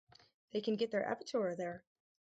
They can get their Abitur there.